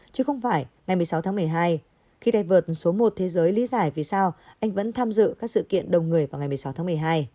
chứ không phải ngày một mươi sáu tháng một mươi hai khi đại vợt số một thế giới lý giải vì sao anh vẫn tham dự các sự kiện đầu người vào ngày một mươi sáu tháng một mươi hai